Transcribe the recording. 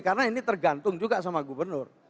karena ini tergantung juga sama gubernur